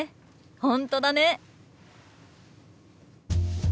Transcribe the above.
本当だね！